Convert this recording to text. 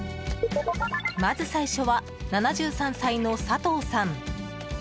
まず最初は、７３歳の佐藤さん。